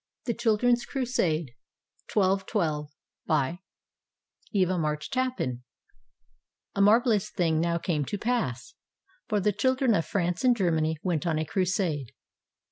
THE CHILDREN'S CRUSADE BY EVA MARCH TAPPAN A MARVELOUS thing now came to pass, for the children of France and Germany went on a crusade.